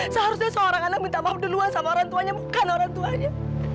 seharusnya seorang anak minta mau duluan sama orang tuanya bukan orang tuanya